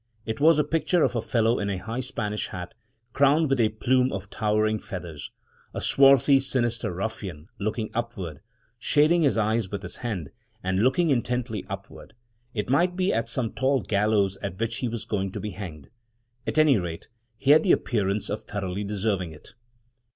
It was a picture of a fellow in a high Spanish hat, crowned with a plume of towering feathers. A swarthy, sinister ruffian, looking upward, shading his eyes with his hand, and looking intently upward — it might be at some tall gallows at which he was going to be hanged. At any rate, he had the appearance of thoroughly deserving it.